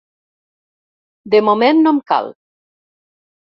De moment no em cal.